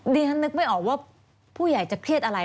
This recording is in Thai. ดิฉันนึกไม่ออกว่าผู้ใหญ่จะเครียดอะไร